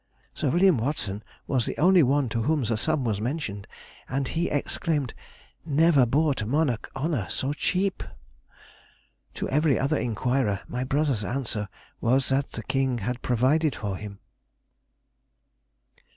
Sir William Watson was the only one to whom the sum was mentioned, and he exclaimed, "Never bought monarch honour so cheap!" To every other inquirer, my brother's answer was that the King had provided for him. [Sidenote: 1782. _Removal to Datchet.